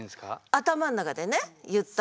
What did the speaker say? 頭の中でね言ったら。